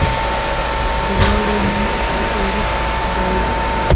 د واورې نوم اورښت دی.